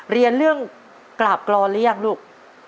เรียนเรื่องกราบกลอเลี่ยงหรือยังลูก